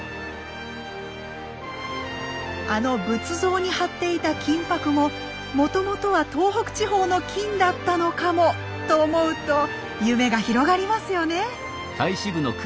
あの仏像に貼っていた金箔ももともとは東北地方の金だったのかもと思うと夢が広がりますよね。